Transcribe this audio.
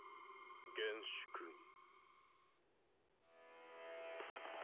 厳粛に。